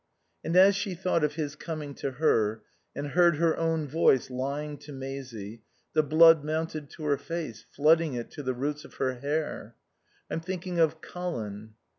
And as she thought of his coming to her, and heard her own voice lying to Maisie, the blood mounted to her face, flooding it to the roots of her hair. "I'm thinking of Colin."